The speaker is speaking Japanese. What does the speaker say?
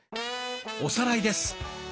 おさらいです。